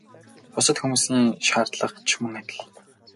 Бусад хүмүүсийн шаардлага ч мөн адил.